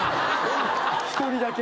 １人だけ。